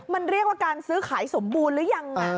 มันเรียกว่าการซื้อขายสมบูรณ์หรือยัง